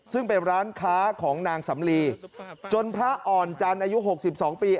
ซึ่งเป็นร้านค้าของนางสำลีจนพระอ่อนจันทร์อายุ๖๒ปี